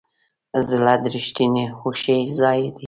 زړه د رښتینې خوښۍ ځای دی.